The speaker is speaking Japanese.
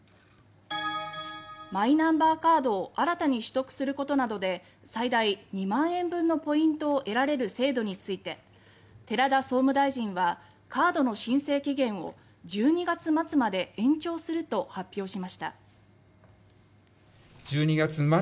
マイナンバーカードを新たに取得することなどで最大２万円分のポイントを得られる制度について寺田総務大臣はカードの申請期限を１２月末まで延長すると発表しました。